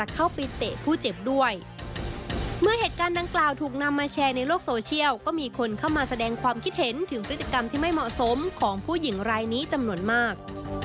การดังกล่าวถูกนำมาแชร์ในโลกโซเชียลก็มีคนเข้ามาแสดงความคิดเห็นถึงพฤติกรรมที่ไม่เหมาะสมของผู้หญิงรายนี้จำนวนมาก